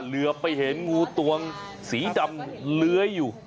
เหลือไปเห็นงูตวงสีดำเลื้อยอยู่